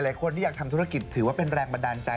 คนที่อยากทำธุรกิจถือว่าเป็นแรงบันดาลใจ